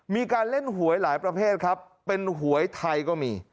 มีการเล่นหวยหลายประเภทครับเป็นหวยไทยก็มี